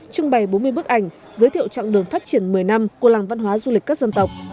trưng bày bốn mươi bức ảnh giới thiệu trạng đường phát triển một mươi năm của làng văn hóa du lịch các dân tộc